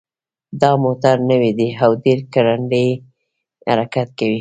دا موټر نوی ده او ډېر ګړندی حرکت کوي